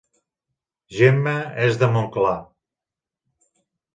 Gemma és de Montclar